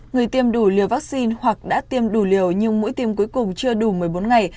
người tiêm đủ liều vaccine hoặc đã tiêm đủ liều nhưng mũi tiêm cuối cùng chưa đủ một mươi bốn ngày